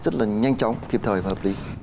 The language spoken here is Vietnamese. rất là nhanh chóng kịp thời và hợp lý